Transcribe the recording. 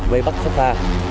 về bắt sóc tha